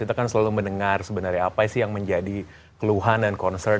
kita kan selalu mendengar sebenarnya apa sih yang menjadi keluhan dan concern